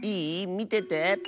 みてて。